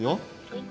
はい。